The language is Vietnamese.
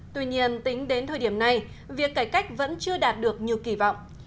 tuy nhiên tính đến thời điểm này việc cải cách vẫn chưa đạt được như kỳ vọng